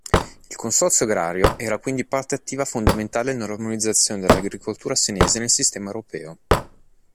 Il Consorzio agrario era quindi parte attiva fondamentale nell’armonizzazione dell’agricoltura senese nel sistema europeo.